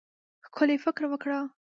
ښکلی فکر وکړه.